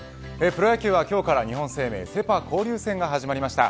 プロ野球は今日から日本生命セ・パ交流戦が始まりました。